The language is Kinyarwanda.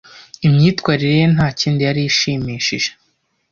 Imyitwarire ye ntakindi yari ishimishije.